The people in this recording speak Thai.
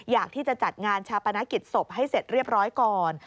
อยากที่จะจัดงานชาปนกิจศพให้เสร็จเรียบร้อยก่อน